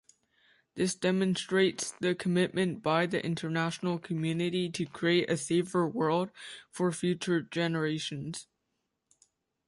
This demonstrates the commitment by the international community to create a safer world for future generations.